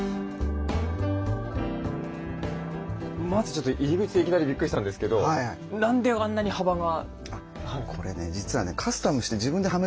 まずちょっと入り口でいきなりびっくりしたんですけど何であんなに幅が。